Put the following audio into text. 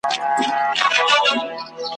د ھرڅپرکي, ھرمضمون، عنوان مې ولټوو